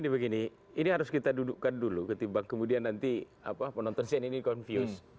begini ini harus kita dudukkan dulu ketimbang kemudian nanti penonton sian ini confuse